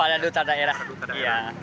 para duta daerah iya